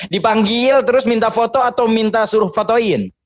dipanggil terus minta foto atau minta suruh fotoin